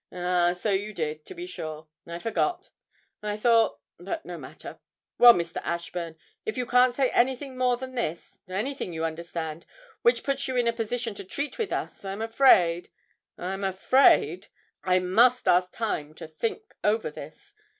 'Ah, so you did, to be sure, I forgot. I thought but no matter. Well, Mr. Ashburn, if you can't say anything more than this anything, you understand, which puts you in a position to treat with us, I'm afraid I'm afraid I must ask time to think over this.